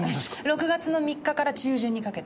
６月の３日から中旬にかけて。